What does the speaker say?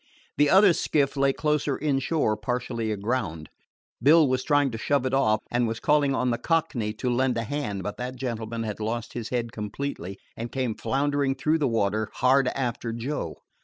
The other skiff lay closer inshore, partially aground. Bill was trying to shove it off, and was calling on the Cockney to lend a hand; but that gentleman had lost his head completely, and came floundering through the water hard after Joe.